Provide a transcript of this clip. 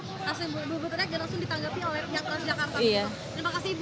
langsung buru buru teriak dan langsung ditanggapi